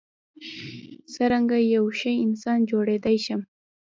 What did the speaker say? څرنګه یو ښه انسان جوړیدای شم.